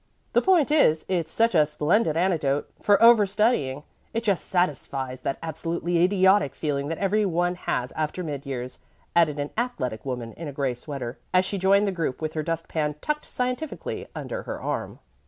"The point is, it's such a splendid antidote for overstudying. It just satisfies that absolutely idiotic feeling that every one has after mid years," added an athletic young woman in a gray sweater, as she joined the group with her dust pan tucked scientifically under her arm.